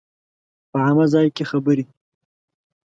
په عامه ځای کې خبرې